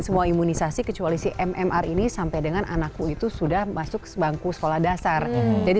semua imunisasi kecuali si mmr ini sampai dengan anakku itu sudah masuk bangku sekolah dasar jadi